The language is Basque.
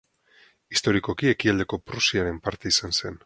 Historikoki Ekialdeko Prusiaren parte izan zen.